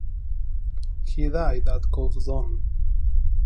He died at Coulsdon.